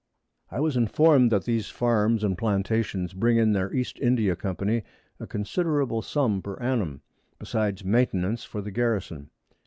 I was inform'd that these Farms and Plantations bring in their East India Company a considerable Sum per Annum, besides Maintenance for the Garrison.